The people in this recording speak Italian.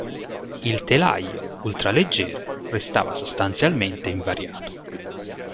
Il telaio, ultraleggero, restava sostanzialmente invariato.